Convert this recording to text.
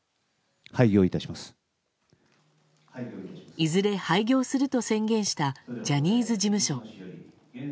いずれ、廃業すると宣言したジャニーズ事務所。